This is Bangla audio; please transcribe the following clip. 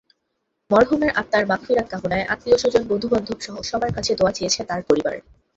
মরহুমের আত্মার মাগফিরাত কামনায় আত্মীয়স্বজন, বন্ধুবান্ধবসহ সবার কাছে দোয়া চেয়েছে তাঁর পরিবার।